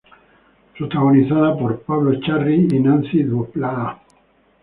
Protagonizada por Pablo Echarri y Nancy Dupláa.